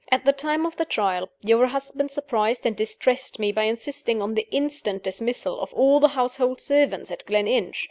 At the time of the Trial, your husband surprised and distressed me by insisting on the instant dismissal of all the household servants at Gleninch.